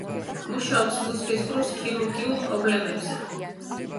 მუშაობს მუცლის ღრუს ქირურგიულ პრობლემებზე.